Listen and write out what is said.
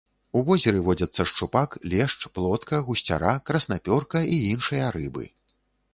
У возеры водзяцца шчупак, лешч, плотка, гусцяра, краснапёрка і іншыя рыбы.